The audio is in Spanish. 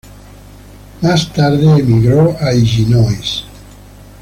Más tarde emigró a Illinois.